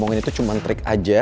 ngomongin itu cuma trik aja